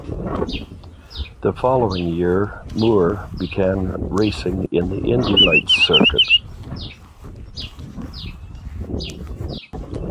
The following year, Moore began racing in the Indy Lights circuit.